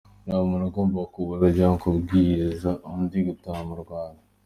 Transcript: Nta muntu ugomba kubuza cyangwa kubwiriza undi gutaha mu Rwanda: